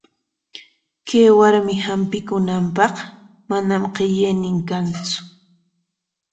Kay warmi hampikunanpaq manam qillaynin kantsu.